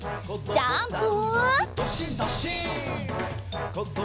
ジャンプ！